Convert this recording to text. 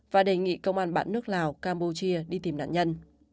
và đề nghị công an bạn nước lào campuchia đi tìm nạn nhân